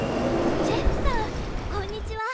ジェフさんこんにちは。